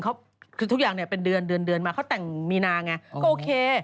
คือทุกอย่างเป็นเดือนมาเขาแต่งมีนาไงก็โอเค